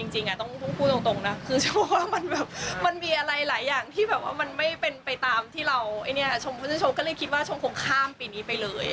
หลายอย่างที่แบบว่ามันไม่เป็นไปตามที่เราชมพูดในโชคก็เลยคิดว่าชมคงข้ามปีนี้ไปเลย